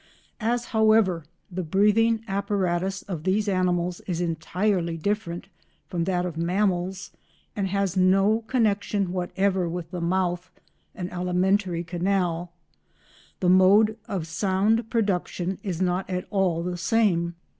As, however, the breathing apparatus of these animals is entirely different from that of mammals and has no connection whatever with the mouth and alimentary canal, the mode of sound production is not at all the same.